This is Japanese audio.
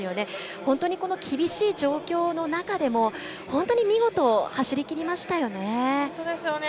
本当に厳しい状況の中でも本当に見事、走り切りましたよね。